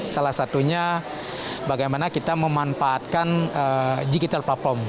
salah satunya bagaimana kita memanfaatkan digital platform